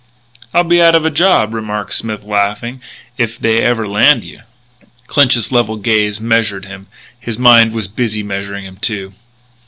"I'll be out of a job," remarked Smith, laughing, "if they ever land you." Clinch's level gaze measured him; his mind was busy measuring him, too.